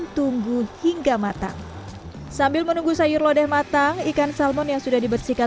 tunggu hingga matang sambil menunggu sayur lodeh matang ikan salmon yang sudah dibersihkan